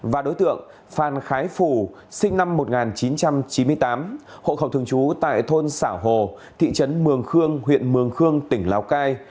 và đối tượng phan khái phù sinh năm một nghìn chín trăm chín mươi tám hộ khẩu thường trú tại thôn xảo hồ thị trấn mường khương huyện mường khương tỉnh lào cai